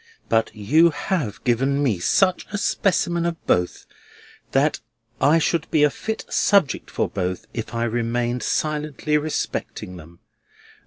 But you have given me such a specimen of both, that I should be a fit subject for both if I remained silent respecting them.